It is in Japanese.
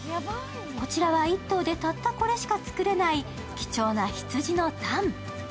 こちらは１頭でたったこれしか作れない貴重な羊のたん。